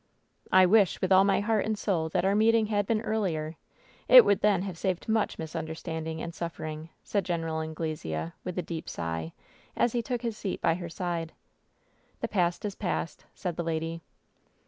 "I wish with all my heart and soul that our meeting had been earlier ! It would then have saved much mis understanding and suffering," said Gen. Anglesea, with a deep sigh, as he took his seat by her side. "The past is past," said the lady.